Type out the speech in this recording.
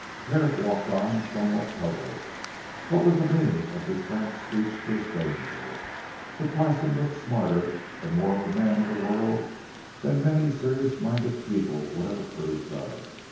Herrick walked on somewhat puzzled. What was the meaning of this frank speech, to a stranger. The parson looked smarter and more of a man of the world than many serious minded people would have approved of.